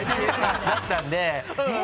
だったんでえ